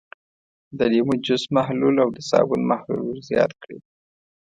د لیمو جوس محلول او د صابون محلول ور زیات کړئ.